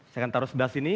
saya akan taruh sebelah sini